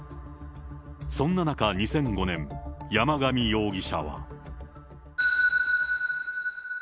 そんな中、２００５年、山上容疑者は。